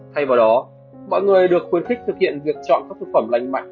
thay vào đó mọi người được khuyến khích thực hiện việc chọn các thực phẩm lành mạnh